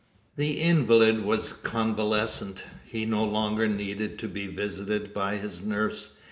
The invalid was convalescent. He no longer needed to be visited by his nurse.